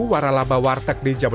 dada apa ayam apa